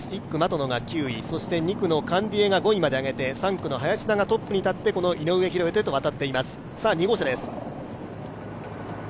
１区が的野が９位、２区のカンディエが５位まで上げて３区の林田がトップに立って、井上大仁へと渡っています。